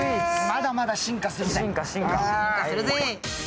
まだまだ進化するぜ！